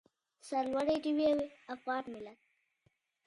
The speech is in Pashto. سرلوړی دې وي افغان ملت.